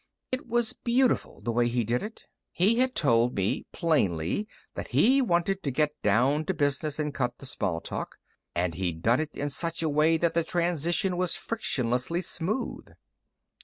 It was beautiful, the way he did it. He had told me plainly that he wanted to get down to business and cut the small talk, but he'd done it in such a way that the transition was frictionlessly smooth.